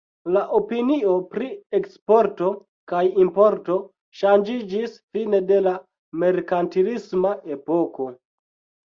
La opinio pri eksporto kaj importo ŝanĝiĝis fine de la merkantilisma epoko.